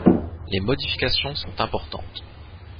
Les modifications sont importantes.